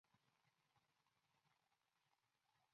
韦尼格罗德处于欧洲中部的温带气候区。